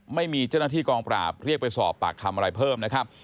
ไม่มีเจ้าหน้าที่กองปราบเรียกไปสอบปากคำอะไรเพิ่มนะครับ